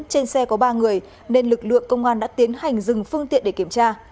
trên xe có ba người nên lực lượng công an đã tiến hành dừng phương tiện để kiểm tra